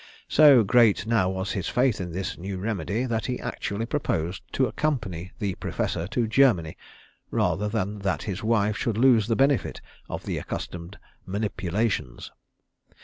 So great was now his faith in this new remedy that he actually proposed to accompany the Professor to Germany rather than that his wife should lose the benefit of the accustomed "manipulations."